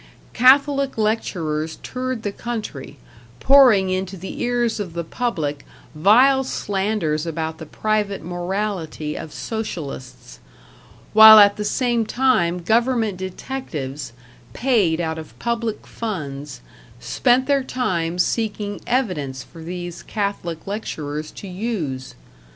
Catholic lecturers toured the country, pouring into the ears of the public vile slanders about the private morality of Socialists; while at the same time government detectives, paid out of public funds, spent their time seeking evidence for these Catholic lecturers to use.